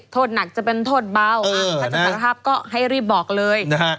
โทษหนักจะเป็นโทษเบาถ้าจะสารภาพก็ให้รีบบอกเลย